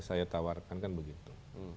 saya tawarkan kan begitu